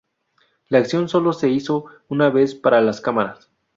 La acción sólo se hizo una vez, para las cámaras.